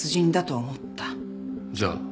じゃあ。